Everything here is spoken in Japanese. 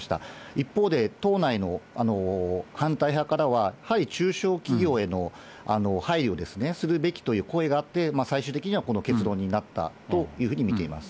一方で、党内の反対派からは、対中小企業への配慮ですね、するべきという声があって、最終的にはこの結論になったというふうに見ています。